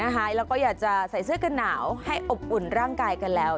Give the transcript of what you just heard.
แล้วก็อยากจะใส่เสื้อกันหนาวให้อบอุ่นร่างกายกันแล้ว